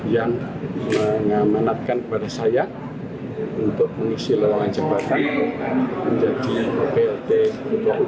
yang mengamanatkan kepada saya untuk mengisi lawangan jabatan menjadi plt ketua umum